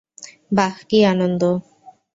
বাহ, কী আনন্দ!